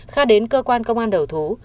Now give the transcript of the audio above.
kha đến cơ quan công an đầu thú